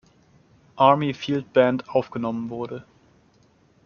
Army Field Band aufgenommen wurde.